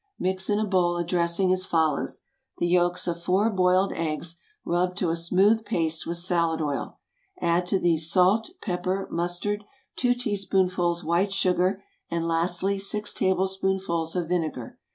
Mix in a bowl a dressing as follows: the yolks of four boiled eggs rubbed to a smooth paste with salad oil; add to these salt, pepper, mustard, two teaspoonfuls white sugar, and, lastly, six tablespoonfuls of vinegar.